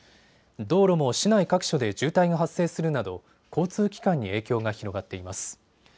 道路も市内各所で渋滞が発生するなど交通機関に影響が広がっています。